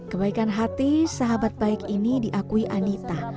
kebaikan hati sahabat baik ini diakui anita